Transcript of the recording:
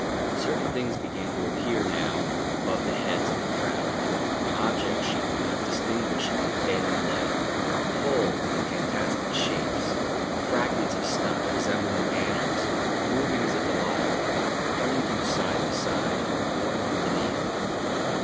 Certain things began to appear now above the heads of the crowd objects she could not distinguish in the failing light poles, and fantastic shapes, fragments of stuff resembling banners, moving as if alive, turning from side to side, borne from beneath.